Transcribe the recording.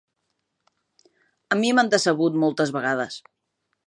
A mi m'han decebut moltes vegades.